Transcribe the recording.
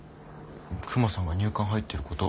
クマさんが入管入ってること。